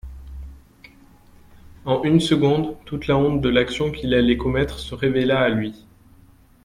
En une seconde, toute la honte de l'action qu'il allait commettre se révéla à lui.